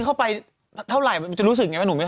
กันชาอยู่ในนี้